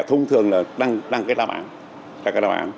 thông thường là đăng cái đáp án